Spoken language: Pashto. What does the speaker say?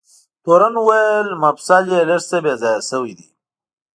تورن وویل: مفصل یې لږ څه بې ځایه شوی دی.